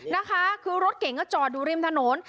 นะคะคือรถเก่งก็จอดอยู่ริมถนน